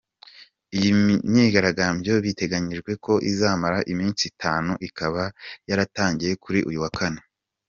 Iyi myigaragabyo biteganyijweko izamara iminsi itanu ikaba yaratangiye kuri uyu wa kane.